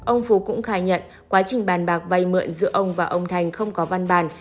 ông phú cũng khai nhận quá trình bàn bạc vay mượn giữa ông và ông thành không có văn bản